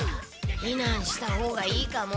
ひなんしたほうがいいかも。